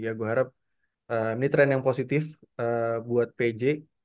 ya gue harap ini tren yang positif buat pj